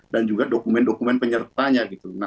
dan juga dokumen dokumen penyertanya